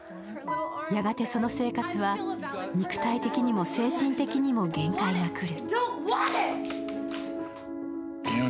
やがてその生活は肉体的にも精神的にも限界が来る。